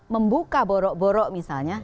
membuka boro boro misalnya